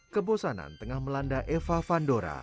kebosanan tengah melanda eva vandora